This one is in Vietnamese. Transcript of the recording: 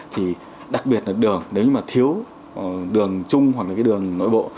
thì đặc biệt là đường nếu như mà thiếu đường chung hoặc là cái đường nội bộ